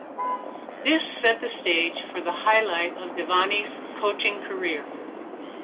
This set the stage for the highlight of Devaney's coaching career.